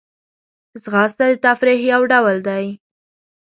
ځغاسته د تفریح یو ډول دی